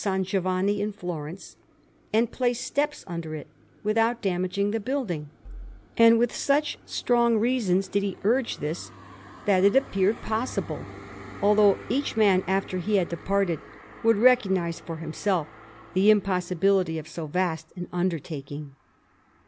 Giovanni in Florence, and place steps under it, without damaging the building; and with such strong reasons did he urge this, that it appeared possible, although each man, after he had departed, would recognize for himself the impossibility of so vast an undertaking.